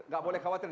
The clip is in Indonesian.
gak boleh khawatir